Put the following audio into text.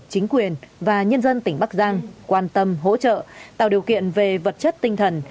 chính quyền và nhân dân tỉnh bắc giang quan tâm hỗ trợ tạo điều kiện về vật chất tinh thần